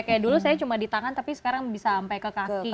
kayak dulu saya cuma di tangan tapi sekarang bisa sampai ke kaki